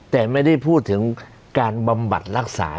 แต่ไม่ได้พูดถึงการบำบัดรักษา